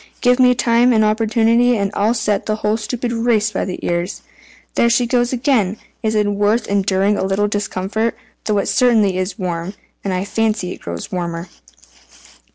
Give me time and opportunity, and I'll set the whole stupid race by the ears. There she goes again! It is worth enduring a little discomfort, though it certainly is warm, and I fancy it grows warmer."